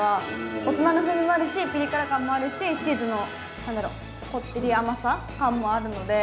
大人の風味もあるしピリ辛感もあるしチーズのなんだろこってり甘さ感もあるので。